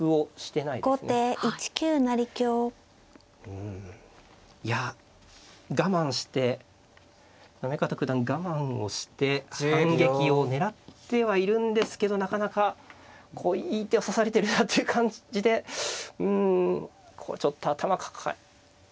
うんいや我慢して行方九段我慢をして反撃を狙ってはいるんですけどなかなかこういい手を指されてるなという感じでうんちょっと頭抱えてますね。